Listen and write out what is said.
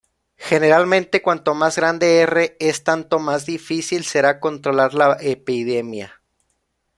Generalmente, cuanto más grande "R" es tanto más difícil será controlar la epidemia.